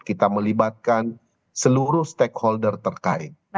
kita melibatkan seluruh stakeholder terkait